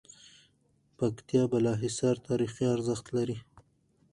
پکتيا بالاحصار تاريخي ارزښت لری